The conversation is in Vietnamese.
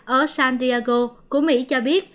ở san diego của mỹ cho biết